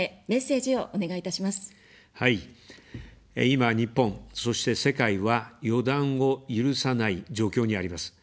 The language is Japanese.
今、日本、そして世界は、予断を許さない状況にあります。